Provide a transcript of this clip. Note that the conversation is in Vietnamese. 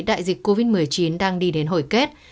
đại dịch covid một mươi chín đang đi đến hồi kết